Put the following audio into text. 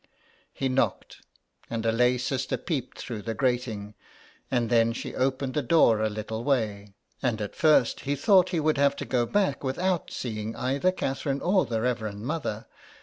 He knocked, and a lay sister peeped through the grating, and then she opened the door a little way, and at first he thought he would have to go back without seeing either Catherine or the Reverend Mother.